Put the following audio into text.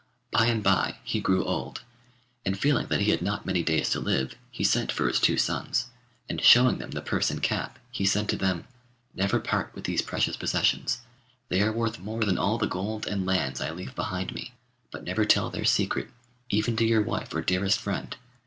By and by he grew old, and feeling that he had not many days to live, he sent for his two sons, and showing them the purse and cap, he said to them: 'Never part with these precious possessions. They are worth more than all the gold and lands I leave behind me. But never tell their secret, even to your wife or dearest friend.